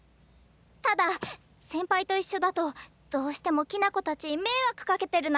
ただ先輩と一緒だとどうしてもきな子たち迷惑かけてるなって。